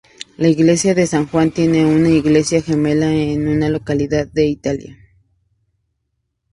La iglesia de San Juan tiene una iglesia gemela en una localidad de Italia.